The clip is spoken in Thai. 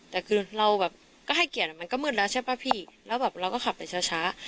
แต่คือเราแบบก็ให้เกียรติมันก็มืดแล้วใช่ป่ะพี่แล้วแบบเราก็ขับไปช้า